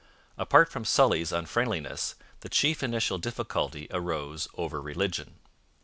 Apart from Sully's unfriendliness, the chief initial difficulty arose over religion.